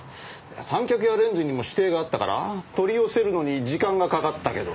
三脚やレンズにも指定があったから取り寄せるのに時間がかかったけど。